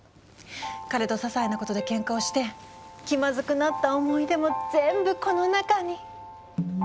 彼とささいなことでけんかをして気まずくなった思い出も全部この中に。